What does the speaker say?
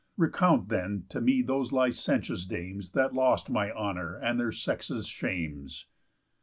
Recount, then, to me those licentious dames That lost my honour and their sex's shames."